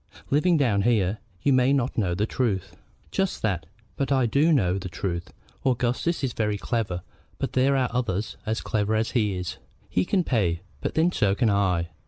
Living down here, you may not know the truth." "Just that. But I do know the truth. Augustus is very clever; but there are others as clever as he is. He can pay, but then so can I.